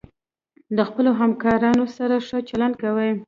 د خپلو همکارانو سره ښه چلند کوئ.